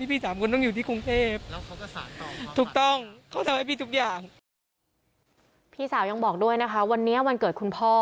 พี่สามคนต้องอยู่ที่กรุงเทพฯ